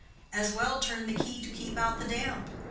As well turn the key to keep out the damp!